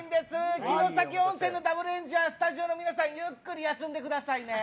城崎温泉のＷエンジンはスタジオの皆さんゆっくり休んでくださいね。